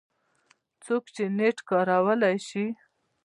څوک چې نېټ کارولی شي